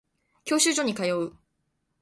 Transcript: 教習所に通う